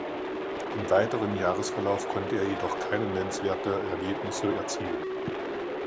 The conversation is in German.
Im weiteren Jahresverlauf konnte er jedoch keine nennenswerte Ergebnisse erzielen.